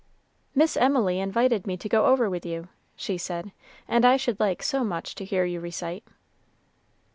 "Miss Emily invited me to go over with you," she said, "and I should like so much to hear you recite."